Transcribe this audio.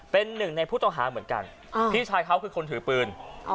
เป็นหนึ่งในผู้ต้องหาเหมือนกันพี่ชายเขาคือคนถือปืน